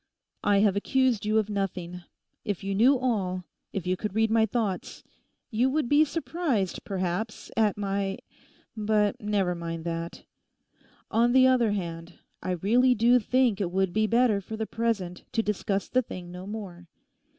'I have accused you of nothing. If you knew all; if you could read my thoughts, you would be surprised, perhaps, at my—But never mind that. On the other hand, I really do think it would be better for the present to discuss the thing no more.